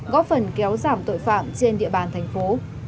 góp phần kéo giảm tội phạm trên địa bàn thành phố